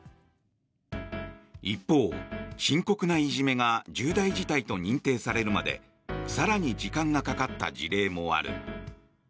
一方、深刻ないじめが重大事態と認定されるまで更に時間がかかった事例もある。